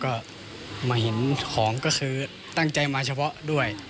ก็มาเห็นของก็คือตั้งใจมาเฉพาะด้วย